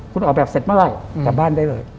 คุณออกแบบเสร็จเมื่อไหร่กลับบ้านได้เลย